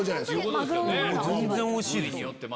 全然おいしいですよ。